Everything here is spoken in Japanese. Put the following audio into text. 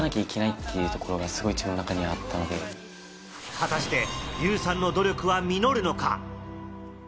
果たしてユウさんの努力は実るのか？